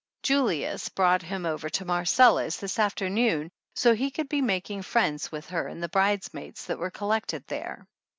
Julius brought him over to Marcella's this afternoon so he could be making friends with her and the bridesmaids that were collected there.